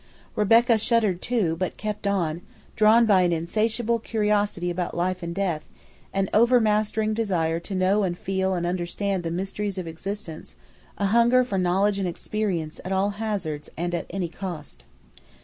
Rebecca shuddered too, but kept on, drawn by an insatiable curiosity about life and death, an overmastering desire to know and feel and understand the mysteries of existence, a hunger for knowledge and experience at all hazards and at any cost.